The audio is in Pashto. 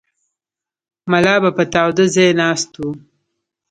ملا به په تاوده ځای ناست و.